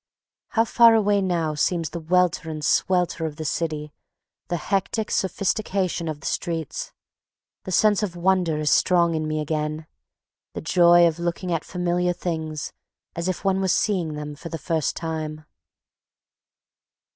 How far away now seems the welter and swelter of the city, the hectic sophistication of the streets. The sense of wonder is strong in me again, the joy of looking at familiar things as if one were seeing them for the first time.